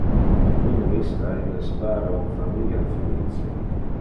A prime vista, illes pare un familia felice.